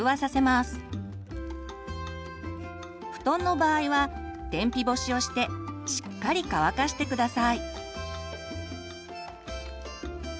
布団の場合は天日干しをしてしっかり乾かして下さい。